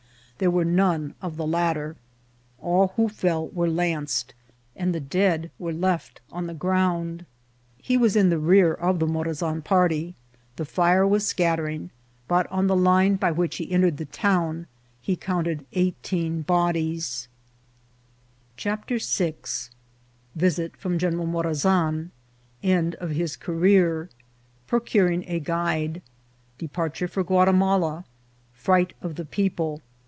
There were none of the latter ; all who fell were lanced, and the dead were left on the ground. He was in the rear of the Morazan party ; the fire was scattering ; but on the line by which he entered the town he counted eighteen bodies. VISIT FROM GENERAL MORAZAN. 93 CHAPTER VI. Visit from General Morazan. — End of his Career. — Procuring a Guide. — Depar ture for Guatimala. — Fright of the People.